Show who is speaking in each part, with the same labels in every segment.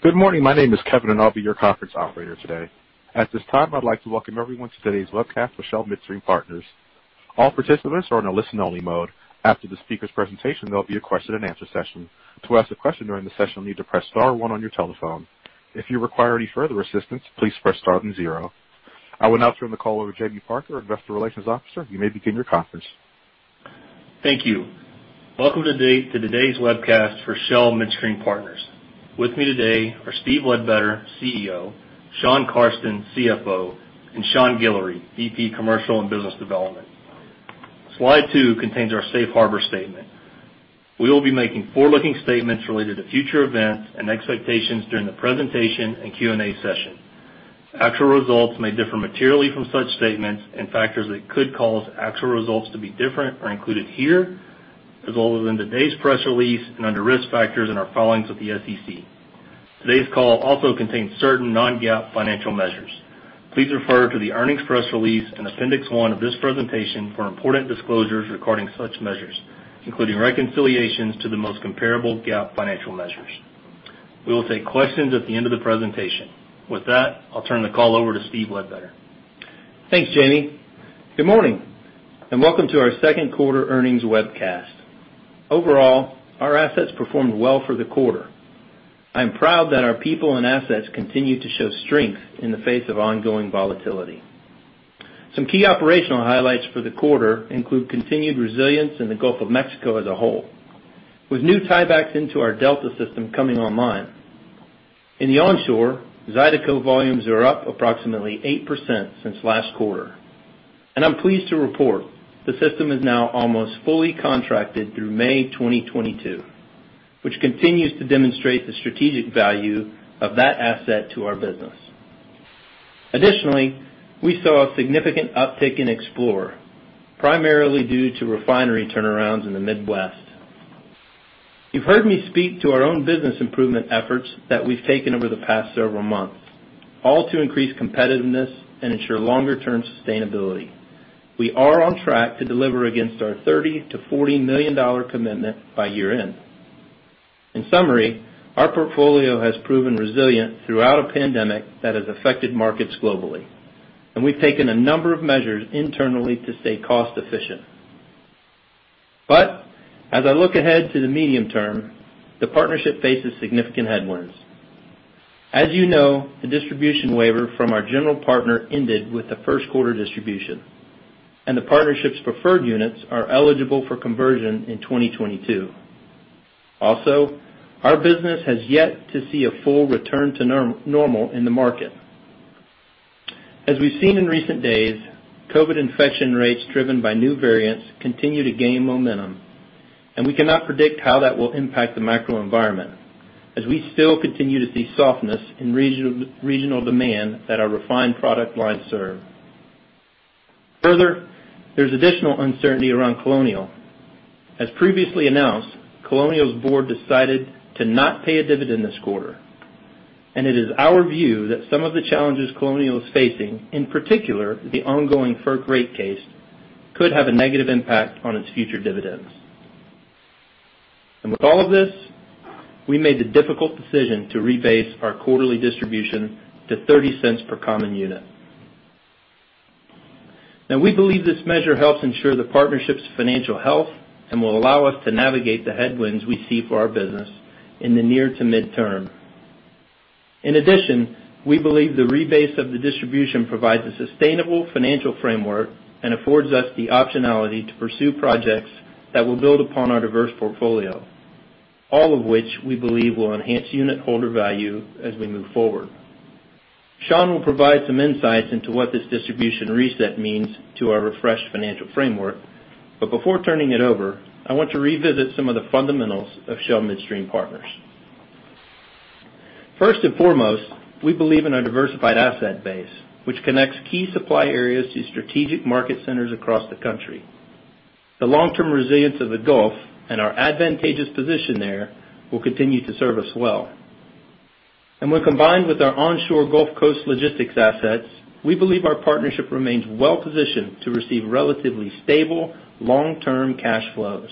Speaker 1: Good morning. My name is Kevin, and I'll be your conference operator today. At this time, I'd like to welcome everyone to today's webcast for Shell Midstream Partners. All participants are in a listen-only mode. After the speaker's presentation, there will be a question and answer session. To ask a question during the session, you'll need to press star one on your telephone. If you require any further assistance, please press star then zero. I will now turn the call over to Jamie Parker, our Investor Relations Officer. You may begin your conference.
Speaker 2: Thank you. Welcome to today's webcast for Shell Midstream Partners. With me today are Steve Ledbetter, CEO, Shawn Carsten, CFO, and Sean Guillory, VP Commercial and Business Development. Slide 2 contains our safe harbor statement. We will be making forward-looking statements related to future events and expectations during the presentation and Q&A session. Actual results may differ materially from such statements. Factors that could cause actual results to be different are included here, as well as in today's press release and under Risk Factors in our filings with the SEC. Today's call also contains certain non-GAAP financial measures. Please refer to the earnings press release and appendix 1 of this presentation for important disclosures regarding such measures, including reconciliations to the most comparable GAAP financial measures. We will take questions at the end of the presentation. With that, I'll turn the call over to Steve Ledbetter.
Speaker 3: Thanks, Jamie. Good morning, and welcome to our second quarter earnings webcast. Overall, our assets performed well for the quarter. I'm proud that our people and assets continue to show strength in the face of ongoing volatility. Some key operational highlights for the quarter include continued resilience in the Gulf of Mexico as a whole, with new tiebacks into our Delta system coming online. In the onshore, Zydeco volumes are up approximately 8% since last quarter. I'm pleased to report the system is now almost fully contracted through May 2022, which continues to demonstrate the strategic value of that asset to our business. We saw a significant uptick in Explorer, primarily due to refinery turnarounds in the Midwest. You've heard me speak to our own business improvement efforts that we've taken over the past several months, all to increase competitiveness and ensure longer-term sustainability. We are on track to deliver against our $30 million-$40 million commitment by year-end. In summary, our portfolio has proven resilient throughout a pandemic that has affected markets globally, and we've taken a number of measures internally to stay cost-efficient. As I look ahead to the medium term, the partnership faces significant headwinds. As you know, the distribution waiver from our general partner ended with the first quarter distribution, and the partnership's preferred units are eligible for conversion in 2022. Our business has yet to see a full return to normal in the market. As we've seen in recent days, COVID infection rates driven by new variants continue to gain momentum, and we cannot predict how that will impact the macro environment, as we still continue to see softness in regional demand that our refined product lines serve. There's additional uncertainty around Colonial. As previously announced, Colonial's board decided to not pay a dividend this quarter, and it is our view that some of the challenges Colonial is facing, in particular, the ongoing FERC rate case, could have a negative impact on its future dividends. With all of this, we made the difficult decision to rebase our quarterly distribution to $0.30 per common unit. Now, we believe this measure helps ensure the partnership's financial health and will allow us to navigate the headwinds we see for our business in the near to midterm. In addition, we believe the rebase of the distribution provides a sustainable financial framework and affords us the optionality to pursue projects that will build upon our diverse portfolio, all of which we believe will enhance unit holder value as we move forward. Sean will provide some insights into what this distribution reset means to our refreshed financial framework. Before turning it over, I want to revisit some of the fundamentals of Shell Midstream Partners. First and foremost, we believe in a diversified asset base, which connects key supply areas to strategic market centers across the country. The long-term resilience of the Gulf and our advantageous position there will continue to serve us well. When combined with our onshore Gulf Coast logistics assets, we believe our partnership remains well positioned to receive relatively stable, long-term cash flows.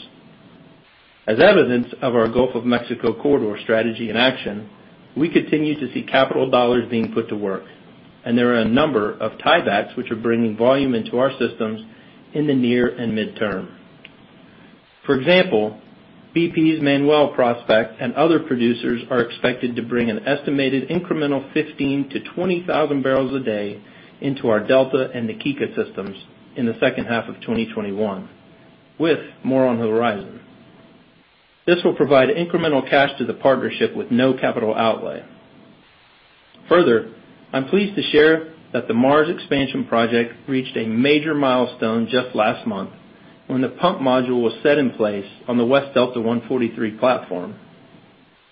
Speaker 3: As evidence of our Gulf of Mexico corridor strategy in action, we continue to see capital dollars being put to work, and there are a number of tiebacks which are bringing volume into our systems in the near and midterm. For example, BP's Manuel project and other producers are expected to bring an estimated incremental 15,000-20,000 barrels a day into our Delta and Na Kika systems in the second half of 2021, with more on the horizon. This will provide incremental cash to the partnership with no capital outlay. Further, I'm pleased to share that the Mars expansion project reached a major milestone just last month when the pump module was set in place on the West Delta 143 platform.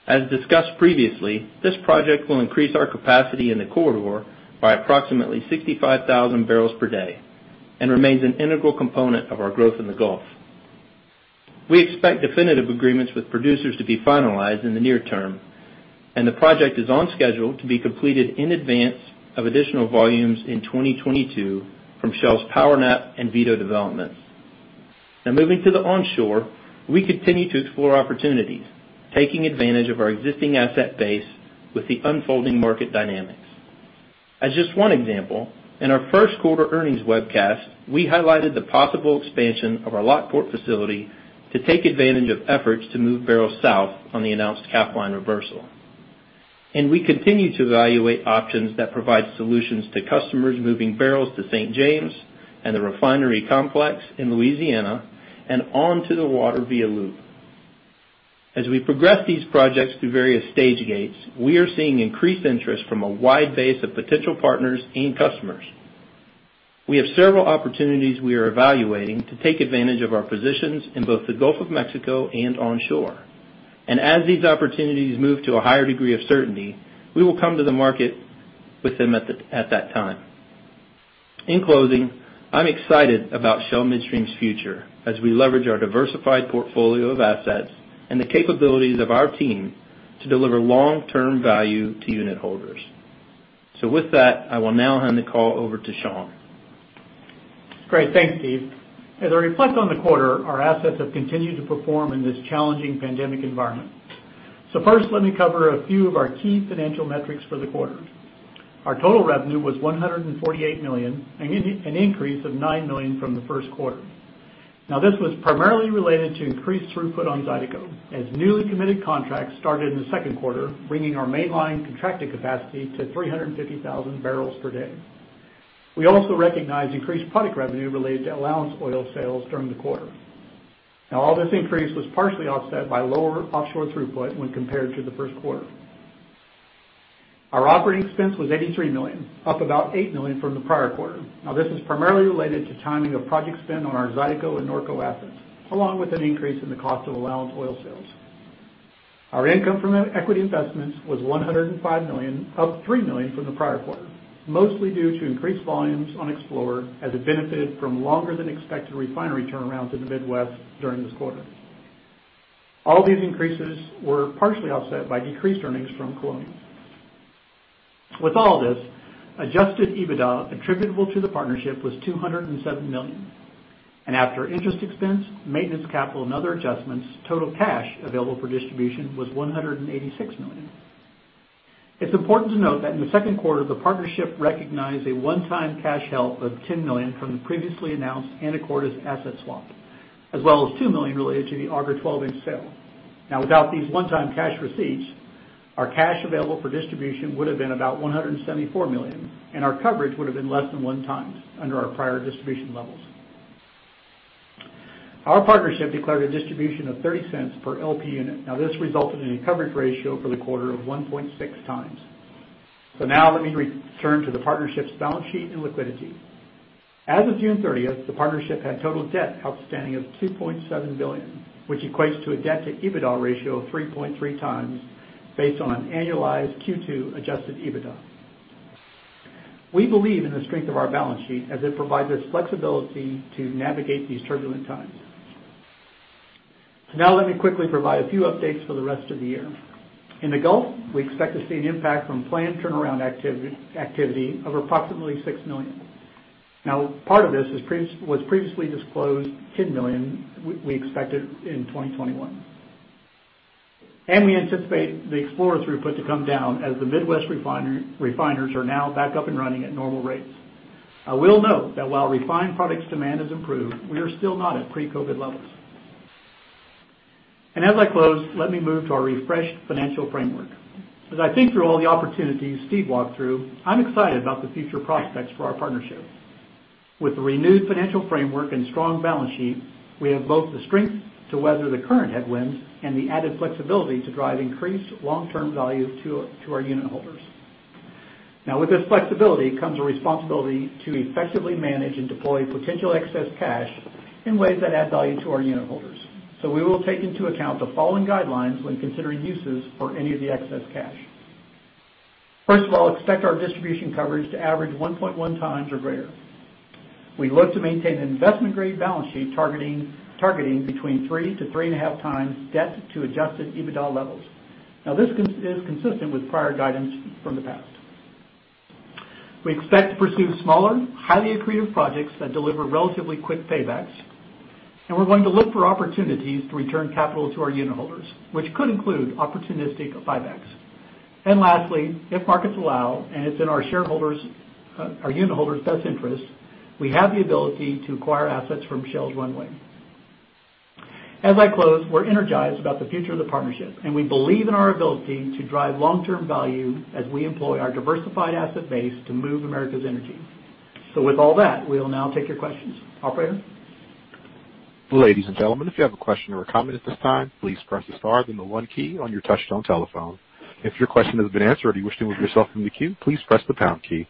Speaker 3: As discussed previously, this project will increase our capacity in the corridor by approximately 65,000 barrels per day and remains an integral component of our growth in the Gulf. We expect definitive agreements with producers to be finalized in the near term. The project is on schedule to be completed in advance of additional volumes in 2022 from Shell's PowerNap and Vito developments. Now moving to the onshore, we continue to explore opportunities, taking advantage of our existing asset base with the unfolding market dynamics. As just one example, in our first quarter earnings webcast, we highlighted the possible expansion of our Lockport facility to take advantage of efforts to move barrels south on the announced Capline reversal. We continue to evaluate options that provide solutions to customers moving barrels to St. James and the refinery complex in Louisiana and onto the water via LOOP. As we progress these projects through various stage gates, we are seeing increased interest from a wide base of potential partners and customers. We have several opportunities we are evaluating to take advantage of our positions in both the Gulf of Mexico and onshore. As these opportunities move to a higher degree of certainty, we will come to the market with them at that time. In closing, I'm excited about Shell Midstream's future as we leverage our diversified portfolio of assets and the capabilities of our team to deliver long-term value to unitholders. With that, I will now hand the call over to Sean.
Speaker 4: Great. Thanks, Steve. As I reflect on the quarter, our assets have continued to perform in this challenging pandemic environment. First, let me cover a few of our key financial metrics for the quarter. Our total revenue was $148 million, an increase of $9 million from the first quarter. This was primarily related to increased throughput on Zydeco as newly committed contracts started in the second quarter, bringing our mainline contracted capacity to 350,000 barrels per day. We also recognized increased product revenue related to allowance oil sales during the quarter. All this increase was partially offset by lower offshore throughput when compared to the first quarter. Our operating expense was $83 million, up about $8 million from the prior quarter. This is primarily related to timing of project spend on our Zydeco and Norco assets, along with an increase in the cost of allowance oil sales. Our income from equity investments was $105 million, up $3 million from the prior quarter, mostly due to increased volumes on Explorer as it benefited from longer than expected refinery turnarounds in the Midwest during this quarter. All these increases were partially offset by decreased earnings from Colonial. With all this, adjusted EBITDA attributable to the partnership was $207 million. After interest expense, maintenance capital, and other adjustments, total cash available for distribution was $186 million. It's important to note that in the second quarter, the partnership recognized a one-time cash help of $10 million from the previously announced Anacortes asset swap, as well as $2 million related to the Auger 12-inch sale. Without these one-time cash receipts, our cash available for distribution would have been about $174 million, and our coverage would have been less than 1 time under our prior distribution levels. Our partnership declared a distribution of $0.30 per LP unit. This resulted in a coverage ratio for the quarter of 1.6 times. Now let me return to the partnership's balance sheet and liquidity. As of June 30th, the partnership had total debt outstanding of $2.7 billion, which equates to a debt to EBITDA ratio of 3.3 times based on annualized Q2 adjusted EBITDA. We believe in the strength of our balance sheet as it provides us flexibility to navigate these turbulent times. Now let me quickly provide a few updates for the rest of the year. In the Gulf, we expect to see an impact from planned turnaround activity of approximately $6 million. Part of this was previously disclosed $10 million we expected in 2021. We anticipate the Explorer throughput to come down as the Midwest refiners are now back up and running at normal rates. I will note that while refined products demand has improved, we are still not at pre-COVID levels. As I close, let me move to our refreshed financial framework. As I think through all the opportunities Steve walked through, I'm excited about the future prospects for our partnership. With the renewed financial framework and strong balance sheet, we have both the strength to weather the current headwinds and the added flexibility to drive increased long-term value to our unitholders. With this flexibility comes a responsibility to effectively manage and deploy potential excess cash in ways that add value to our unitholders. We will take into account the following guidelines when considering uses for any of the excess cash. First of all, expect our distribution coverage to average 1.1 times or greater. We look to maintain an investment-grade balance sheet targeting between 3 to 3.5 times debt to adjusted EBITDA levels. Now, this is consistent with prior guidance from the past. We expect to pursue smaller, highly accretive projects that deliver relatively quick paybacks, and we're going to look for opportunities to return capital to our unitholders, which could include opportunistic buybacks. Lastly, if markets allow and it's in our unitholders' best interests, we have the ability to acquire assets from Shell's runway. As I close, we're energized about the future of the partnership, and we believe in our ability to drive long-term value as we employ our diversified asset base to move America's energy. With all that, we'll now take your questions. Operator?
Speaker 1: Good day ladies and gentlemen if you have a question or a comment at this time please press the star in the one key on the touch tone telephone. If your your question has been answered, you which to remove yourself from the queue please press the pound key.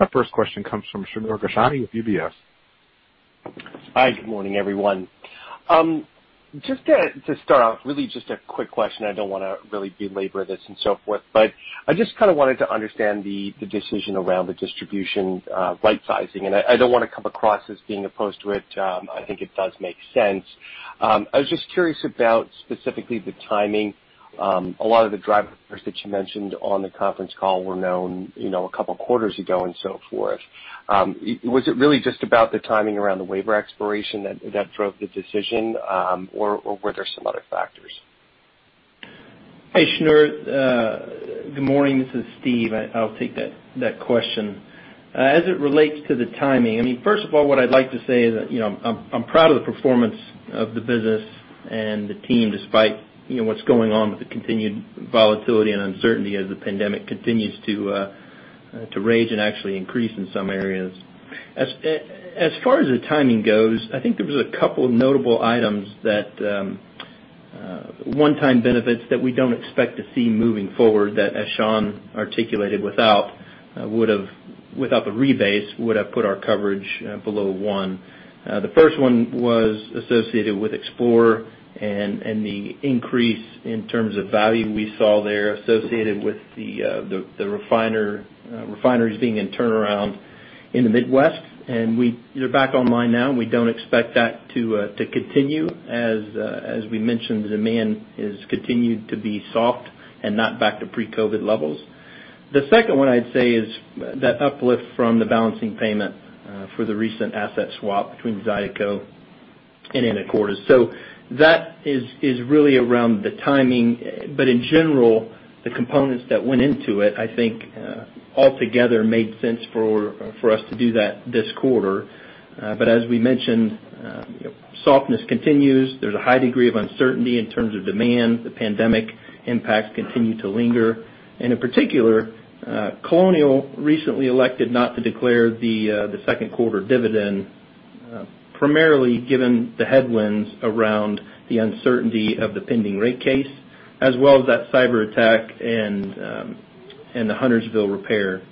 Speaker 1: Our first question comes from Shneur Gershuni with UBS.
Speaker 5: Hi. Good morning, everyone. Just to start off, really just a quick question. I don't want to really belabor this and so forth. I just wanted to understand the decision around the distribution right-sizing. I don't want to come across as being opposed to it. I think it does make sense. I was just curious about specifically the timing. A lot of the drivers that you mentioned on the conference call were known a couple of quarters ago and so forth. Was it really just about the timing around the waiver expiration that drove the decision? Or were there some other factors?
Speaker 3: Hey, Shneur. Good morning. This is Steve. I'll take that question. As it relates to the timing, first of all, what I'd like to say is that I'm proud of the performance of the business and the team, despite what's going on with the continued volatility and uncertainty as the pandemic continues to rage and actually increase in some areas. As far as the timing goes, I think there was a couple of notable items that one-time benefits that we don't expect to see moving forward that, as Shawn articulated, without the rebase, would have put our coverage below 1. The first one was associated with Explorer and the increase in terms of value we saw there associated with the refineries being in turnaround in the Midwest. They're back online now, and we don't expect that to continue. As we mentioned, demand has continued to be soft and not back to pre-COVID levels. The second one I'd say is that uplift from the balancing payment for the recent asset swap between Zydeco and Anacortes. That is really around the timing. In general, the components that went into it, I think altogether made sense for us to do that this quarter. As we mentioned, softness continues. There's a high degree of uncertainty in terms of demand. The pandemic impacts continue to linger. In particular, Colonial recently elected not to declare the second quarter dividend, primarily given the headwinds around the uncertainty of the pending rate case, as well as that cyber attack and the Huntersville repair.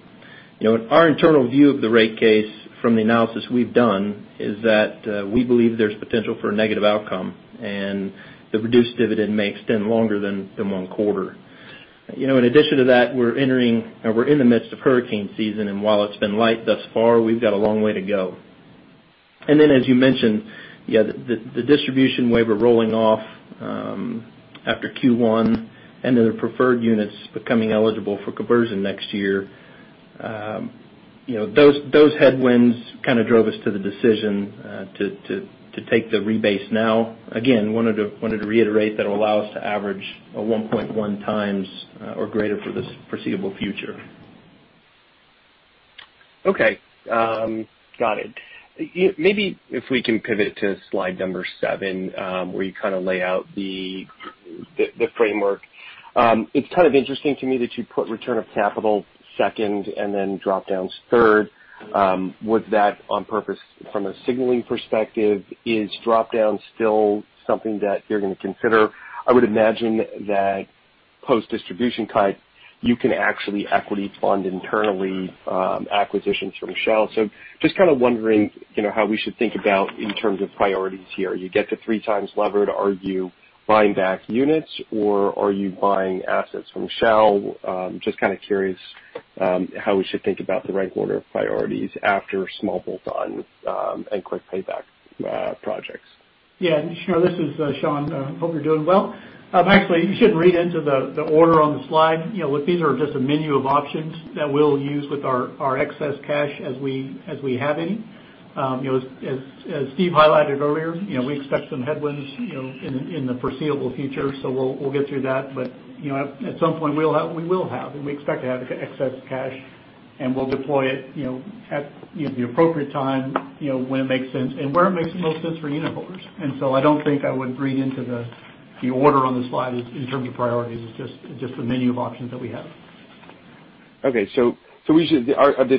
Speaker 3: Our internal view of the rate case from the analysis we've done is that we believe there's potential for a negative outcome, and the reduced dividend may extend longer than one quarter. In addition to that, we're in the midst of hurricane season, and while it's been light thus far, we've got a long way to go. As you mentioned, the distribution waiver rolling off after Q1, and then the preferred units becoming eligible for conversion next year. Those headwinds kind of drove us to the decision to take the rebase now. Wanted to reiterate that it'll allow us to average a 1.1 times or greater for the foreseeable future.
Speaker 5: Okay. Got it. Maybe if we can pivot to slide number seven where you kind of lay out the framework. It's kind of interesting to me that you put return of capital second and then drop-downs third. Was that on purpose from a signaling perspective? Is drop-down still something that you're going to consider? I would imagine that post distribution cut, you can actually equity fund internally acquisitions from Shell. Just kind of wondering how we should think about in terms of priorities here. You get to three times levered. Are you buying back units or are you buying assets from Shell? Just kind of curious how we should think about the rank order of priorities after small bolt-on and quick payback projects.
Speaker 4: Yeah, Shneur, this is Sean. Hope you're doing well. Actually, you shouldn't read into the order on the slide. These are just a menu of options that we'll use with our excess cash as we have any. As Steve highlighted earlier, we expect some headwinds in the foreseeable future, so we'll get through that. At some point, we will have, and we expect to have excess cash, and we'll deploy it at the appropriate time, when it makes sense and where it makes the most sense for unitholders. I don't think I would read into the order on the slide in terms of priorities. It's just a menu of options that we have.
Speaker 5: The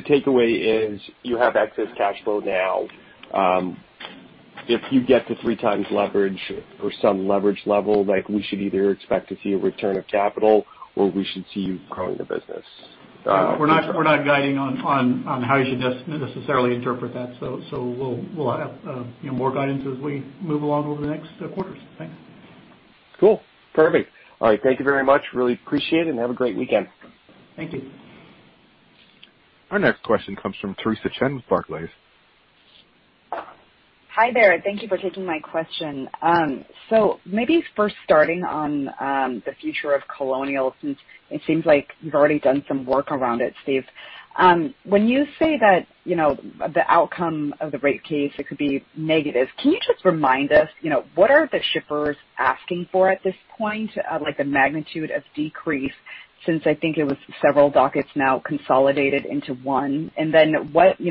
Speaker 5: takeaway is you have excess cash flow now. If you get to three times leverage or some leverage level, we should either expect to see a return of capital, or we should see you growing the business.
Speaker 6: We're not guiding on how you should necessarily interpret that. We'll have more guidance as we move along over the next quarters. Thanks.
Speaker 5: Cool. Perfect. All right. Thank you very much. Really appreciate it, and have a great weekend.
Speaker 4: Thank you.
Speaker 1: Our next question comes from Theresa Chen with Barclays.
Speaker 7: Hi there. Thank you for taking my question. Maybe first starting on the future of Colonial, since it seems like you've already done some work around it, Steve. When you say that the outcome of the rate case, it could be negative, can you just remind us, what are the shippers asking for at this point? Like the magnitude of decrease, since I think it was several dockets now consolidated into one. Where do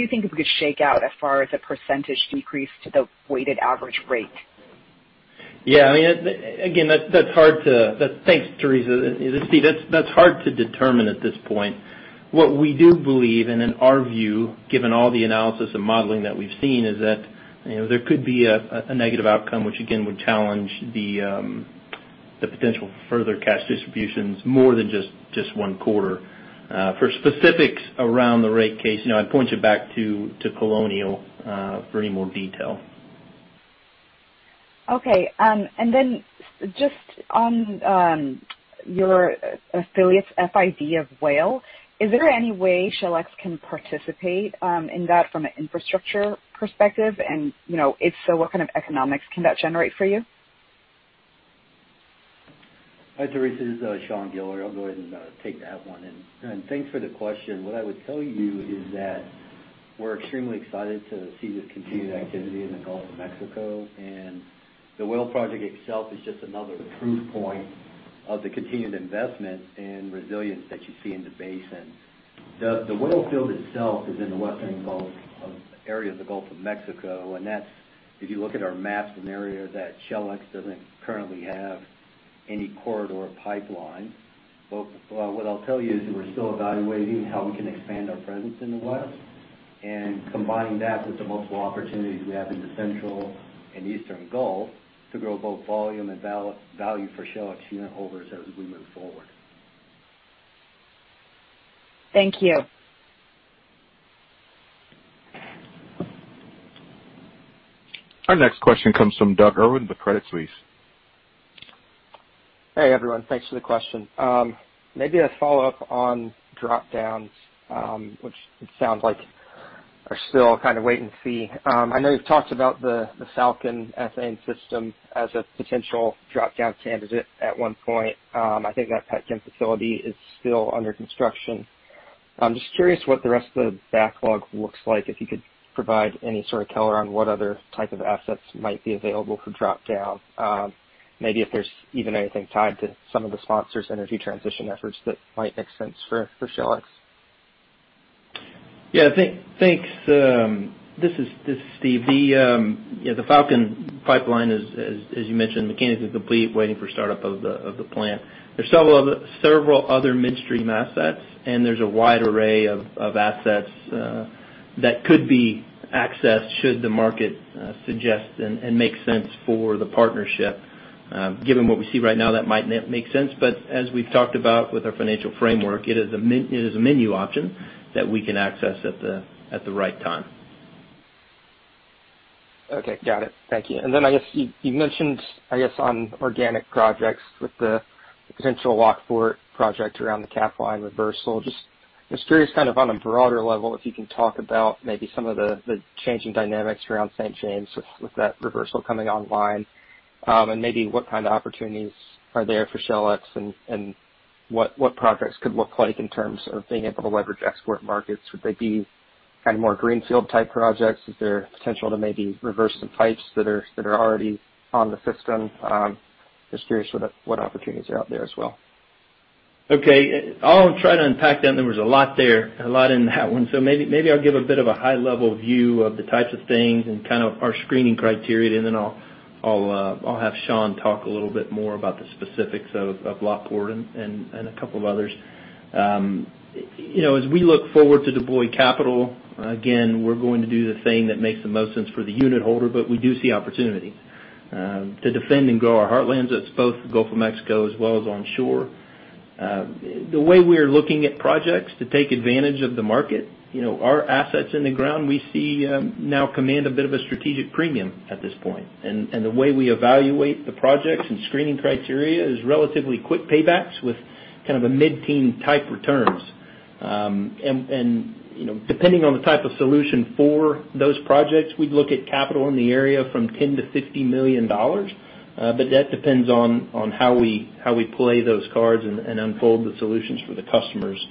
Speaker 7: you think it could shake out as far as a % decrease to the weighted average rate?
Speaker 3: Yeah. Thanks, Theresa. This is Steve. That's hard to determine at this point. What we do believe, and in our view, given all the analysis and modeling that we've seen, is that there could be a negative outcome, which again would challenge the potential for further cash distributions more than just one quarter. For specifics around the rate case, I'd point you back to Colonial for any more detail.
Speaker 7: Okay. Just on your affiliate FID of Whale, is there any way SHLX can participate in that from an infrastructure perspective? If so, what kind of economics can that generate for you?
Speaker 6: Hi, Theresa, this is Sean Guillory. I'll go ahead and take that one. Thanks for the question. What I would tell you is that we're extremely excited to see this continued activity in the Gulf of Mexico, and the Whale project itself is just another proof point of the continued investment in resilience that you see in the basin. The Whale field itself is in the western area of the Gulf of Mexico. That's, if you look at our maps, an area that SHLX doesn't currently have any corridor pipeline. What I'll tell you is that we're still evaluating how we can expand our presence in the west and combining that with the multiple opportunities we have in the central and eastern Gulf to grow both volume and value for SHLX unitholders as we move forward.
Speaker 7: Thank you.
Speaker 1: Our next question comes from Douglas Irwin with Credit Suisse.
Speaker 8: Hey, everyone. Thanks for the question. Maybe a follow-up on drop-downs, which it sounds like are still kind of wait and see. I know you've talked about the Falcon ethane system as a potential drop-down candidate at one point. I think that PetChem facility is still under construction. I'm just curious what the rest of the backlog looks like, if you could provide any sort of color on what other type of assets might be available for drop-down. Maybe if there's even anything tied to some of the sponsors' energy transition efforts that might make sense for SHLX.
Speaker 3: Yeah, thanks. This is Steve. The Falcon pipeline is, as you mentioned, mechanically complete, waiting for startup of the plant. There's several other midstream assets, and there's a wide array of assets that could be accessed should the market suggest and make sense for the partnership. Given what we see right now, that might not make sense, but as we've talked about with our financial framework, it is a menu option that we can access at the right time.
Speaker 8: Okay, got it. Thank you. I guess you mentioned on organic projects with the potential Lockport project around the Capline reversal. Just curious kind of on a broader level, if you can talk about maybe some of the changing dynamics around St. James with that reversal coming online. Maybe what kind of opportunities are there for SHLX and what projects could look like in terms of being able to leverage export markets? Would they be kind of more greenfield type projects? Is there potential to maybe reverse some pipes that are already on the system? Just curious what opportunities are out there as well.
Speaker 3: I'll try to unpack that. There was a lot there, a lot in that one. Maybe I'll give a bit of a high-level view of the types of things and kind of our screening criteria, and then I'll have Sean talk a little bit more about the specifics of Lockport and a couple of others. As we look forward to deploy capital, again, we're going to do the thing that makes the most sense for the unitholder, but we do see opportunities to defend and grow our heartlands. That's both the Gulf of Mexico as well as onshore. The way we are looking at projects to take advantage of the market, our assets in the ground we see now command a bit of a strategic premium at this point. The way we evaluate the projects and screening criteria is relatively quick paybacks with kind of a mid-teen type returns. Depending on the type of solution for those projects, we'd look at capital in the area from $10 million-$50 million. That depends on how we play those cards and unfold the solutions for the customers.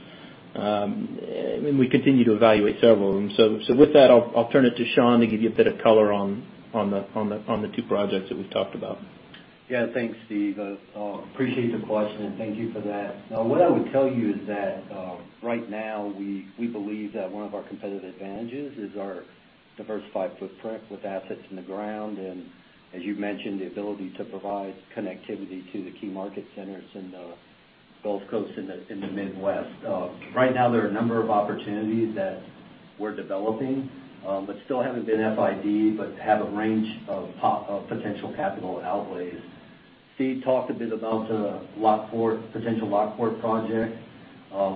Speaker 3: We continue to evaluate several of them. With that, I'll turn it to Sean to give you a bit of color on the two projects that we've talked about.
Speaker 6: Yeah. Thanks, Steve. Appreciate the question, and thank you for that. What I would tell you is that right now we believe that one of our competitive advantages is our diversified footprint with assets in the ground. As you mentioned, the ability to provide connectivity to the key market centers in the Gulf Coast in the Midwest. Right now, there are a number of opportunities that we're developing, but still haven't been FID'd, but have a range of potential capital outlays. Steve talked a bit about the potential Lockport project.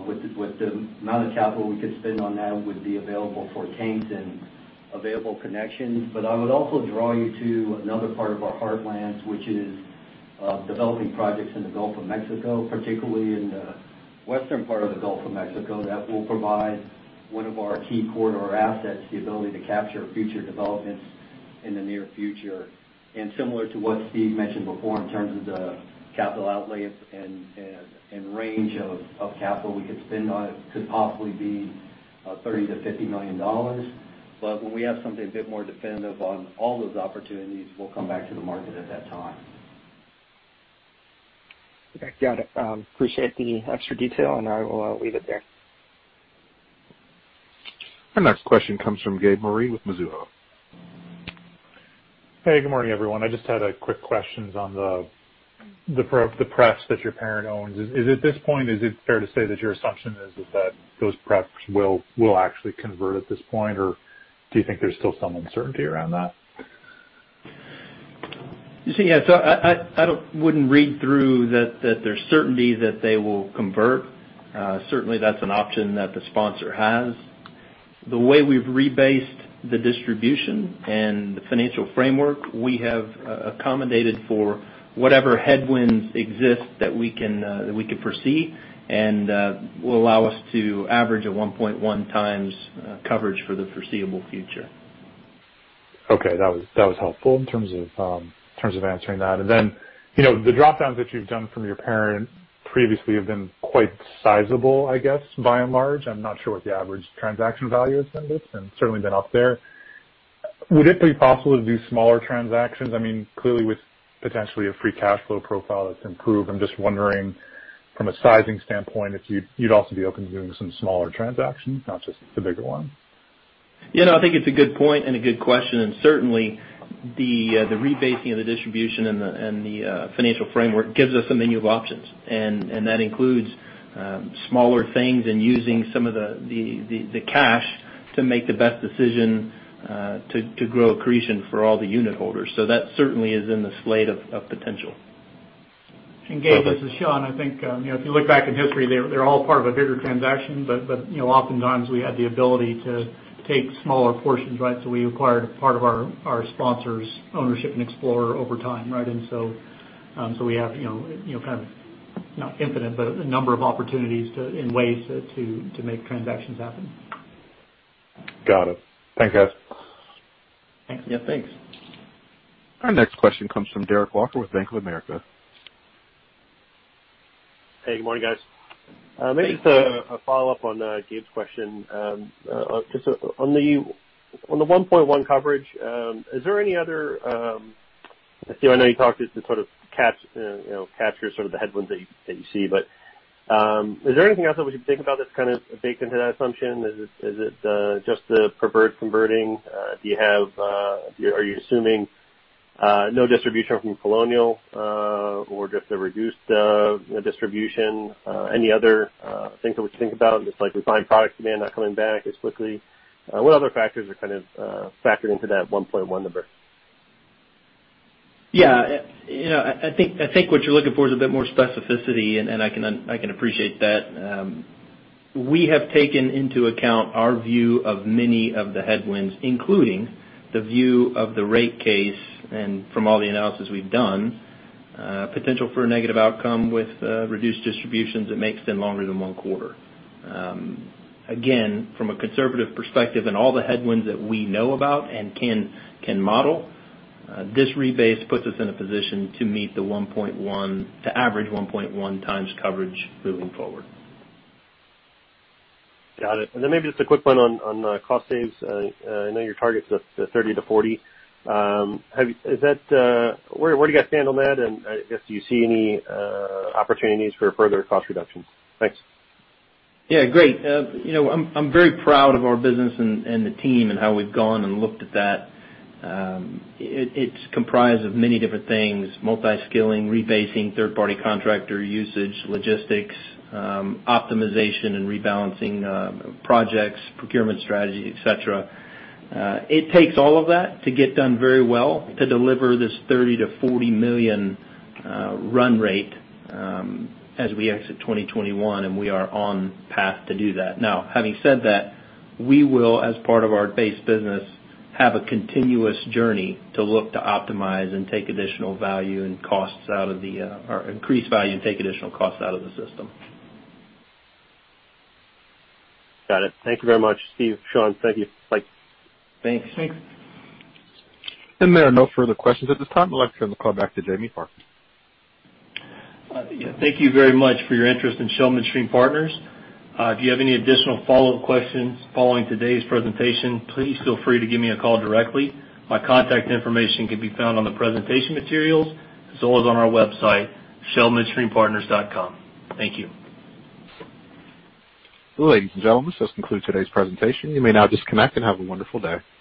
Speaker 6: With the amount of capital we could spend on that would be available for tanks and available connections. I would also draw you to another part of our heartlands, which is developing projects in the Gulf of Mexico, particularly in the western part of the Gulf of Mexico. That will provide one of our key corridor assets, the ability to capture future developments in the near future. Similar to what Steve mentioned before in terms of the capital outlay and range of capital we could spend on it could possibly be $30 million-$50 million. When we have something a bit more definitive on all those opportunities, we'll come back to the market at that time.
Speaker 8: Okay, got it. Appreciate the extra detail. I will leave it there.
Speaker 1: Our next question comes from Gabriel Moreen with Mizuho.
Speaker 9: Hey, good morning, everyone. I just had a quick questions on the pref that your parent owns. Is it this point, is it fair to say that your assumption is that those pref will actually convert at this point, or do you think there's still some uncertainty around that?
Speaker 3: You see, yeah. I wouldn't read through that there's certainty that they will convert. Certainly, that's an option that the sponsor has. The way we've rebased the distribution and the financial framework, we have accommodated for whatever headwinds exist that we can foresee and will allow us to average a 1.1 times coverage for the foreseeable future.
Speaker 9: Okay. That was helpful in terms of answering that. The drop-downs that you've done from your parent previously have been quite sizable, I guess, by and large. I'm not sure what the average transaction value has been, but it's certainly been up there. Would it be possible to do smaller transactions? Clearly with potentially a free cash flow profile that's improved, I'm just wondering from a sizing standpoint, if you'd also be open to doing some smaller transactions, not just the bigger ones.
Speaker 3: Yeah. No, I think it's a good point and a good question, and certainly the rebasing of the distribution and the financial framework gives us a menu of options. That includes smaller things and using some of the cash to make the best decision to grow accretion for all the unit holders. That certainly is in the slate of potential.
Speaker 9: Perfect.
Speaker 4: Gabe, this is Sean. I think, if you look back in history, they're all part of a bigger transaction, but oftentimes we had the ability to take smaller portions, right? We acquired a part of our sponsor's ownership in Explorer over time, right? We have kind of, not infinite, but a number of opportunities in ways to make transactions happen.
Speaker 9: Got it. Thanks, guys.
Speaker 3: Yeah, thanks.
Speaker 1: Our next question comes from Derek Walker with Bank of America.
Speaker 10: Hey, good morning, guys. Maybe just a follow-up on Gabe's question. Just on the 1.1 coverage, Steve, I know you talked to sort of capture the headwinds that you see, is there anything else that we should think about that's kind of baked into that assumption? Is it just the preferred converting? Are you assuming no distribution from Colonial or just a reduced distribution? Any other things that we should think about, just like refined product demand not coming back as quickly? What other factors are kind of factored into that 1.1 number?
Speaker 3: Yeah. I think what you're looking for is a bit more specificity, and I can appreciate that. We have taken into account our view of many of the headwinds, including the view of the rate case, and from all the analysis we've done, potential for a negative outcome with reduced distributions that may extend longer than one quarter. Again, from a conservative perspective and all the headwinds that we know about and can model, this rebase puts us in a position to meet the 1.1 to average 1.1 times coverage moving forward.
Speaker 10: Got it. Maybe just a quick one on cost saves. I know your target's at 30-40. Where do you guys stand on that, and I guess do you see any opportunities for further cost reductions? Thanks.
Speaker 3: Yeah. Great. I'm very proud of our business and the team and how we've gone and looked at that. It's comprised of many different things: multi-skilling, rebasing, third-party contractor usage, logistics, optimization and rebalancing projects, procurement strategy, et cetera. It takes all of that to get done very well to deliver this $30 million-$40 million run rate as we exit 2021, and we are on path to do that. Having said that, we will, as part of our base business, have a continuous journey to look to optimize or increase value and take additional costs out of the system.
Speaker 10: Got it. Thank you very much, Steve, Sean. Thank you. Bye.
Speaker 3: Thanks.
Speaker 4: Thanks.
Speaker 1: There are no further questions at this time. I'd like to turn the call back to Jamie Parker
Speaker 2: Yeah. Thank you very much for your interest in Shell Midstream Partners. If you have any additional follow-up questions following today's presentation, please feel free to give me a call directly. My contact information can be found on the presentation materials as well as on our website, shellmidstreampartners.com. Thank you.
Speaker 1: Ladies and gentlemen, this concludes today's presentation. You may now disconnect, and have a wonderful day.